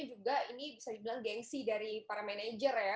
juga ini bisa dibilang gengsi dari para manajer ya